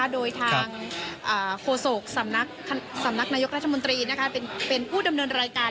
โดยทางโฆษกสำนักนายกรัฐมนตรีเป็นผู้ดำเนินรายการ